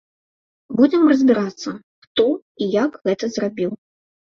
Будзем разбірацца, хто і як гэта зрабіў.